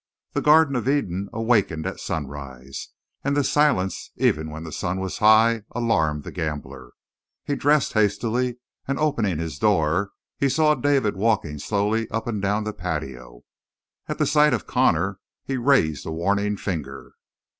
The Garden of Eden awakened at sunrise, and this silence even when the sun was high alarmed the gambler. He dressed hastily, and opening his door, he saw David walking slowly up and down the patio. At the sight of Connor he raised a warning finger.